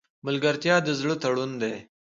ملګرتیا د زړه تړون دی.